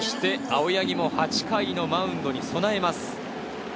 青柳も８回のマウンドに備えます。